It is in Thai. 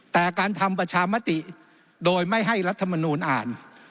แต่การทำประชามติโดยไม่ให้รัฐมนูลอ่าน